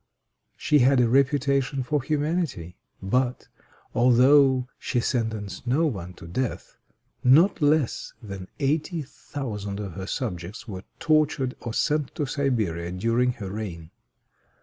She had a reputation for humanity; but, although she sentenced no one to death, not less than eighty thousand of her subjects were tortured or sent to Siberia during her reign.